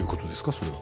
それは。